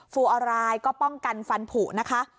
ูออรายก็ป้องกันฟันผูนะคะ